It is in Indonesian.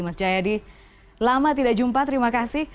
mas jayadi lama tidak jumpa terima kasih